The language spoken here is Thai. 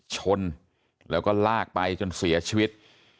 ชนแล้วก็ลากไปจนเสียชีวิต